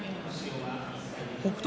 北勝